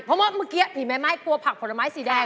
เพราะว่าเมื่อกี้ผีแม่ไม้กลัวผักผลไม้สีแดง